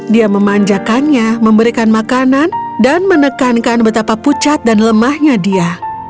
dia memanjakannya memberikan makanan dan menekankan betapa pucat dan lemahnya dia